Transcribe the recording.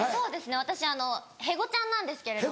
私へごちゃんなんですけれども。